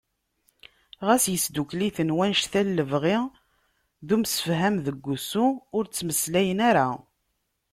Ɣas yesdukel-iten wanect-a n lebɣi d umsefham deg wussu, ur ttmeslayen ara.